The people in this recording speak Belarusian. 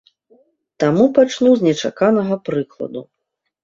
Таму пачну з нечаканага прыкладу.